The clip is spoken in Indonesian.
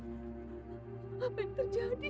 apa yang terjadi